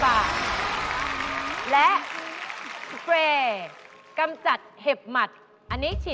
อ้าวแล้ว๓อย่างนี้แบบไหนราคาถูกที่สุด